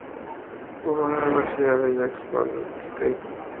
Jugo en la universidad de Jacksonville State.